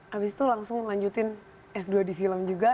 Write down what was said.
abis itu langsung melanjutin s dua di film juga